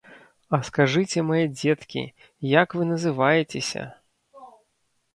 А скажыце, мае дзеткі, як вы называецеся?